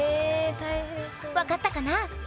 分かったかな？